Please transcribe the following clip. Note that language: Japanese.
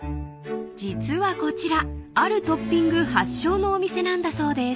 ［実はこちらあるトッピング発祥のお店なんだそうです］